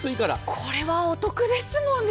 これはお得ですもんね。